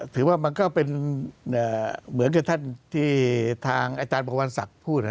ถือว่ามันก็เป็นเหมือนกับท่านที่ทางอาจารย์ประวัติศักดิ์พูด